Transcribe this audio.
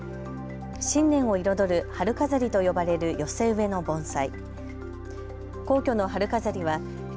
新年を彩る春飾りと呼ばれる寄せ植えの盆栽。